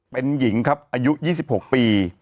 เป็นหญิงครับอายุ๒๖ปี